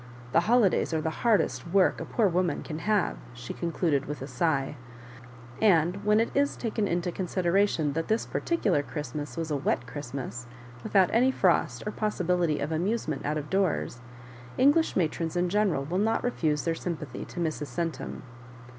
The holidays are the hardest work a poor woman can have," she concluded with a sigh ; and when it is taken into consideration that this particular Christmas was a wet Christmas, without any frost or possibility of amusement out of doors, English matrons in general will not refuse their sympathy, to Mrs. Centum.